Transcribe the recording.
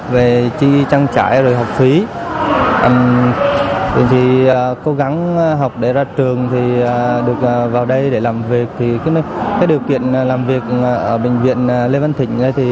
về trang trải học phí cố gắng học để ra trường được vào đây để làm việc điều kiện làm việc ở bệnh viện lê văn thịnh